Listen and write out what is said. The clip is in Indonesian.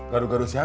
garu garu siapa mak